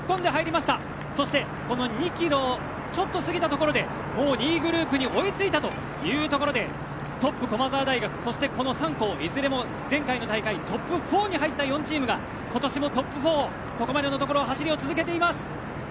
ところでもう２位グループに追いついたというところでトップ、駒澤大学そしてこの３校いずれも前回の大会トップ４に入った４チームが今年もトップ４ここまでのところ走りを続けています。